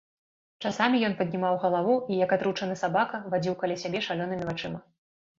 Часамі ён паднімаў галаву і, як атручаны сабака, вадзіў каля сябе шалёнымі вачыма.